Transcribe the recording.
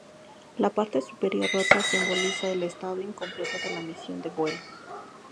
La parte superior rota simboliza el estado incompleto de la misión de vuelo.